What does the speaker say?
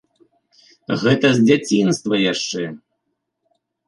Гэта з дзяцінства яшчэ.